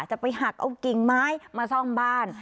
จะไปหักเอากิ่งไม้มาซ่อมบ้าน